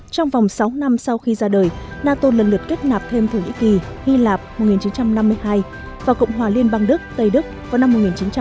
trong vòng sáu năm sau khi ra đời nato lần lượt kết nạp thêm thổ nhĩ kỳ hy lạp và cộng hòa liên bang đức vào năm một nghìn chín trăm năm mươi năm